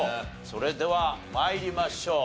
それでは参りましょう。